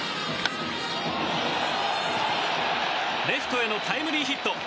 レフトへのタイムリーヒット！